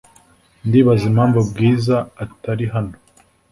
Ndibaza impamvu Bwiza atari hano.